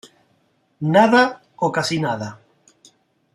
Nada, o casi nada.